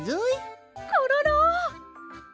コロロ！